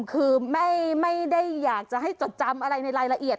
คือไม่ได้อยากจะให้จดจำอะไรในรายละเอียด